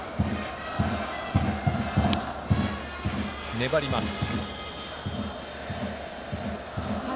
粘ります。